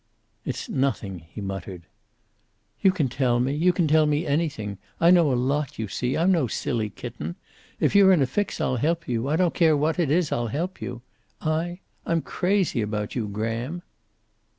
"It's nothing," he muttered. "You can tell me. You can tell me anything. I know a lot, you see. I'm no silly kitten. If you're in a fix, I'll help you. I don't care what it is, I'll help you. I? I'm crazy about you, Graham."